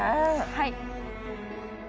はい。